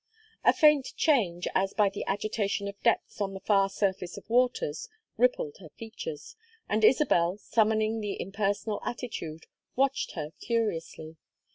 A faint change, as by the agitation of depths on the far surface of waters, rippled her features, and Isabel, summoning the impersonal attitude, watched her curiously.